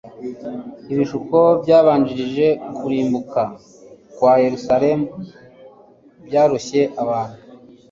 Ibishuko byabanjirije kurimbuka kwaYerusalemu byaroshye abantu